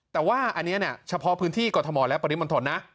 แต่ว่าอันนี้เฉพาะพื้นที่กรทมและปริมณฑลนะ